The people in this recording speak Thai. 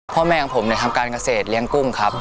พ่อแม่ของผมทำการเกษตรเลี้ยงกุ้งครับ